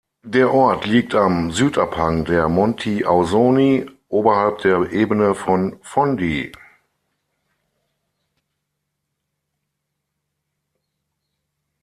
Der Ort liegt am Südabhang der Monti Ausoni, oberhalb der Ebene von Fondi.